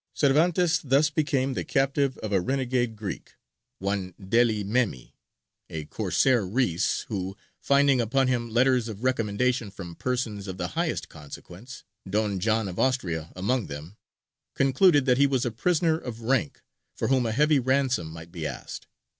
Cervantes thus became the captive of a renegade Greek, one Deli Memi, a Corsair reïs, who, finding upon him letters of recommendation from persons of the highest consequence, Don John of Austria among them, concluded that he was a prisoner of rank, for whom a heavy ransom might be asked.